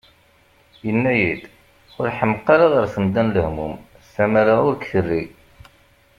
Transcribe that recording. Yenna-iyi-d: « Ur ḥemmeq ara ɣer temda n lehmum, tamara ur k-terri!"